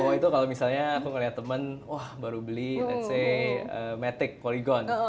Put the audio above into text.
fomo itu kalau misalnya aku melihat teman wah baru beli let's say matic polygon